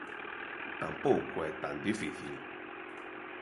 Tampouco é tan difícil.